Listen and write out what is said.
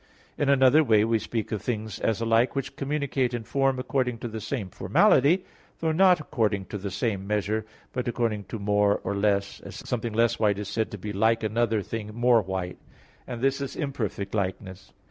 In another way, we speak of things as alike which communicate in form according to the same formality, though not according to the same measure, but according to more or less, as something less white is said to be like another thing more white; and this is imperfect likeness.